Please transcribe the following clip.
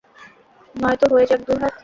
নয়তো হয়ে যাক দু হাত?